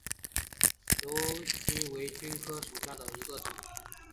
裸菀为菊科裸菀属下的一个种。